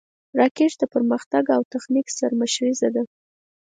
راکټ د پرمختګ او تخنیک سرمشریزه ده